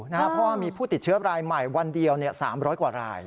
เพราะว่ามีผู้ติดเชื้อรายใหม่วันเดียว๓๐๐กว่าราย